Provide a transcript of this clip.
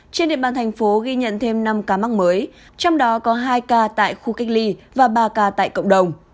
trên địa bàn thành phố ghi nhận thêm năm ca mắc mới trong đó có hai ca tại khu cách ly và ba ca tại cộng đồng